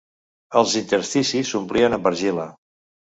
Els intersticis s'omplien amb argila.